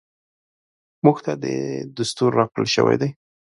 موږ ته دستور راکړل شوی دی .